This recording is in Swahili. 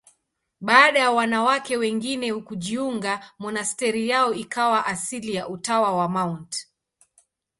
Baada ya wanawake wengine kujiunga, monasteri yao ikawa asili ya Utawa wa Mt.